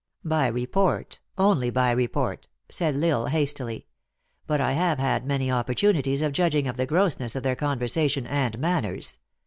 "By report only by report," said L Isle hastily. " But I have had many opportunities of judging of the grossness of their conversation and manners.